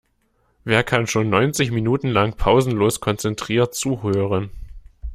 Wer kann schon neunzig Minuten lang pausenlos konzentriert zuhören?